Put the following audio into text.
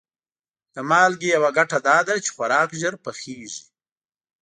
د مالګې یوه ګټه دا ده چې خوراک ژر پخیږي.